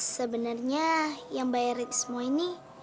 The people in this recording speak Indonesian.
sebenernya yang bayarin semua ini